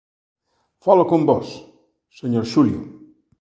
Falo con vós, señor Xulio...